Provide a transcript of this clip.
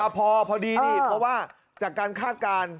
พอพอดีนี่เพราะว่าจากการคาดการณ์